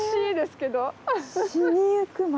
死にゆく町？